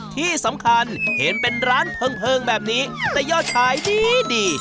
ที่สำคัญเห็นเป็นร้านเพลิงแบบนี้แต่ยอดขายดีดี